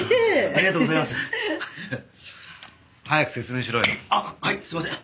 あっはいすいません。